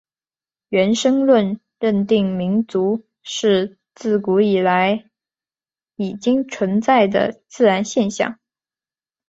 原生论认定民族是至古以来已经存在的自然现象。